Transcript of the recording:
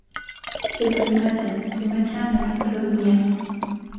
بێ قيمهتن قیمهتیان له کن کهس نییه